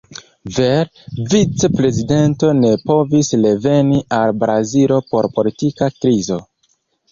Vere, vic-prezidento ne povis reveni al Brazilo por politika krizo.